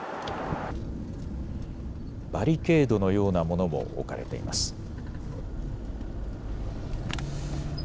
バリケードのようなものも置かれています。